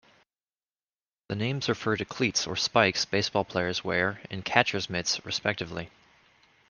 The names refer to cleats or "spikes" baseball players wear and catcher's mitts, respectively.